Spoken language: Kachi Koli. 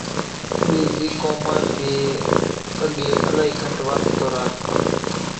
ٻيزِي قومان ٿِي اڳيَ الائِي گھٽ واستو راکتان۔